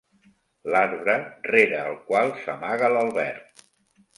L'arbre rere el qual s'amaga l'Albert.